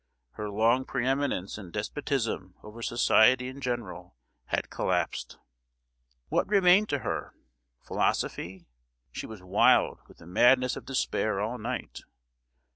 Her long preeminence and despotism over society in general had collapsed. What remained to her? Philosophy? She was wild with the madness of despair all night!